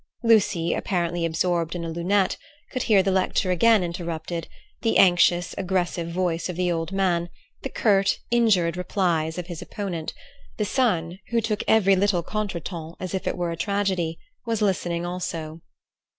Lucy, apparently absorbed in a lunette, could hear the lecture again interrupted, the anxious, aggressive voice of the old man, the curt, injured replies of his opponent. The son, who took every little contretemps as if it were a tragedy, was listening also.